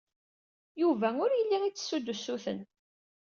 Yuba ur yelli ittessu-d usuten.